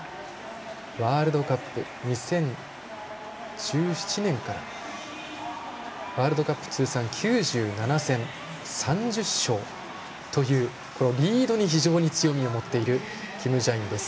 ワールドカップ、２０１７年からワールドカップ通算９７戦３０勝というリードに非常に強みを持っているキム・ジャインです。